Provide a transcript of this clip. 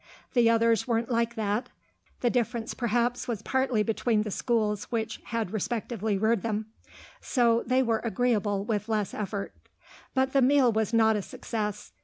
The others weren't like that (the difference perhaps was partly between the schools which had respectively reared them), so they were agreeable with less effort. But the meal was not a success.